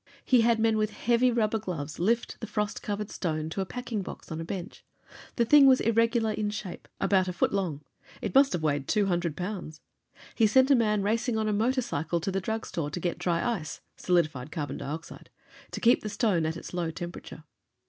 He had men with heavy rubber gloves lift the frost covered stone to a packing box on a bench. The thing was irregular in shape, about a foot long; it must have weighed two hundred pounds. He sent a man racing on a motorcycle to the drug store to get dry ice (solidified carbon dioxide) to keep the iron stone at its low temperature.